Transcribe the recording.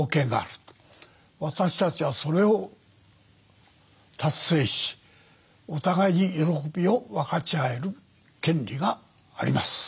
私たちはそれを達成しお互いに喜びを分かち合える権利があります。